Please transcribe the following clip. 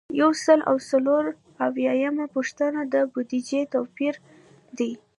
یو سل او څلور اویایمه پوښتنه د بودیجې توپیر دی.